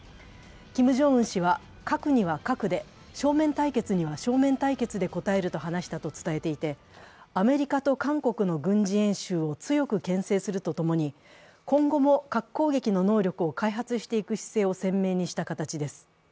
キム・ジョンウン氏は、核には核で、正面対決には正面対決で応えると話したと伝えていて、アメリカと韓国の軍事演習を強くけん制するとともに今後も核攻撃の能力を開発していく姿勢を鮮明にした形です。